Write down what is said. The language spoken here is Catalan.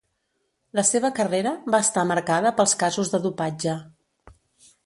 La seva carrera va estar marcada pels casos de dopatge.